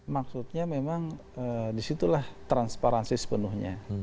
maksudnya memang disitulah transparansi sepenuhnya